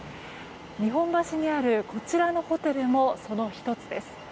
日本橋にあるこちらのホテルもその１つです。